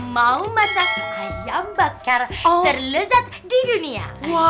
mau masak ayam bakar terlezat di dunia